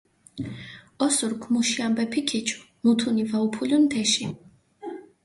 ოსურქ მუში ამბეფი ქიჩუ, მუთუნი ვაუფულუნ თეში.